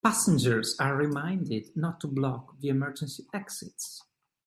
Passengers are reminded not to block the emergency exits.